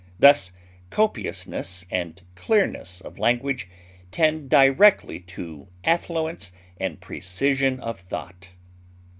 Thus, copiousness and clearness of language tend directly to affluence and precision of thought.